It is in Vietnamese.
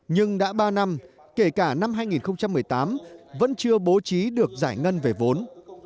nhưng đã ba năm kể cả năm hai nghìn một mươi tám vẫn chưa bố trí được giải ngân về vốn